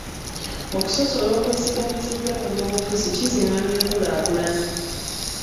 Okusosola okwesigamiziddwa ku byobufuzi kizingamya enkulaakulana.